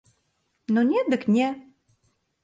Ну, не, дык не.